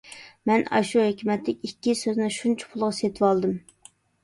مەن ئاشۇ ھېكمەتلىك ئىككى سۆزنى شۇنچە پۇلغا سېتىۋالدىم.